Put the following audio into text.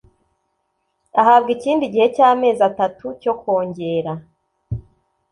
ahabwa ikindi gihe cy amezi atatu cyo kongera